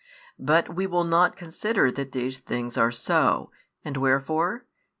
But we will not consider that these things are so, and wherefore?